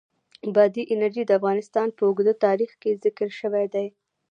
بادي انرژي د افغانستان په اوږده تاریخ کې ذکر شوی دی.